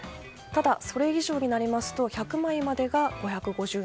ただ、それ以上になりますと１００枚までが５５０円。